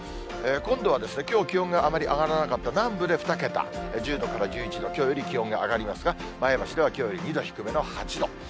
今度はきょう気温があまり上がらなかった南部で２桁、１０度から１１度、きょうより気温が上がりますが、前橋ではきょうより２度低めの８度。